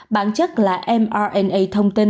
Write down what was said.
bản chất là mrna thông tin